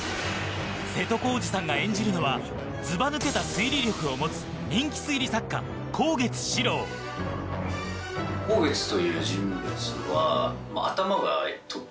瀬戸康史さんが演じるのはずばぬけた推理力を持つ人気推理作家・香月史郎だと思います。